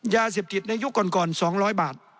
ยาเสพติดในยุคก่อน๒๐๐บาท